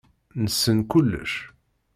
Nessen kullec.